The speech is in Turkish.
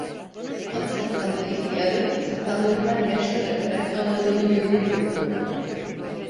Ak sakallı ihtiyarın, sakallarından yaşlar akarak ağladığını görür gibi oldu.